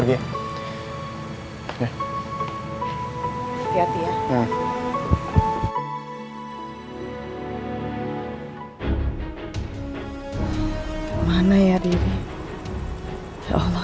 semoga dia gak ada apa apa